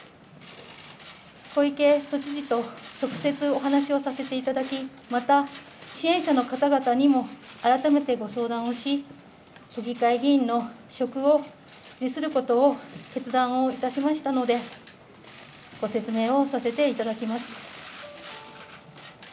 小池都知事と直接お話をさせていただき、また、支援者の方々にも改めてご相談をし、都議会議員の職を辞することを決断をいたしましたので、ご説明をさせていただきます。